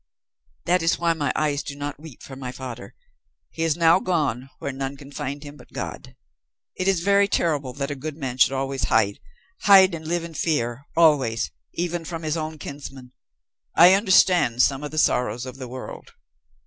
"That is why my eyes do not weep for my father. He is now gone where none can find him but God. It is very terrible that a good man should always hide hide and live in fear always even from his own kinsmen. I understand some of the sorrows of the world."